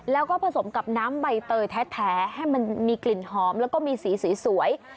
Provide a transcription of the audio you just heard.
แล้วก็ผสมกับน้ำใบเตยแท้ให้มันมีกลิ่นหอมแล้วก็มีสีสวย